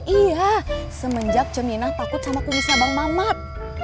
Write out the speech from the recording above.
iya semenjak cemina takut sama kumisnya bang mamat